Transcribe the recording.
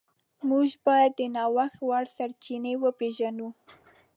موږ باید د نوښت وړ سرچینې وپیژنو.